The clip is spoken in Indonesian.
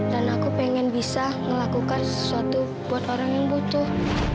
aku pengen bisa melakukan sesuatu buat orang yang butuh